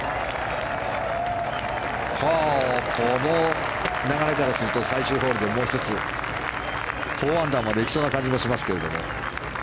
この流れからすると最終ホールでもう１つ４アンダーまでいきそうな感じもしますけれども。